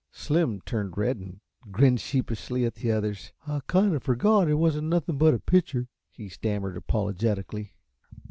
Slim turned red and grinned sheepishly at the others. "I kinda fergot it wasn't nothin' but a pitcher," he stammered, apologetically.